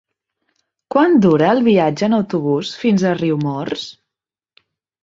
Quant dura el viatge en autobús fins a Riumors?